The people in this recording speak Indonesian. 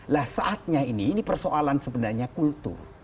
nah saatnya ini persoalan sebenarnya kultur